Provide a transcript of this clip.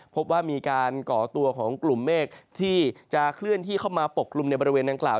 พบว่ามีการก่อตัวของกลุ่มเมฆที่จะเคลื่อนที่เข้ามาปกกลุ่มในบริเวณดังกล่าว